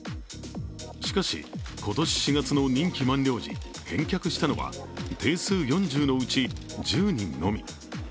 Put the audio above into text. しかし、今年４月の任期満了時、返却したのは定数４０のうち１０人のみ。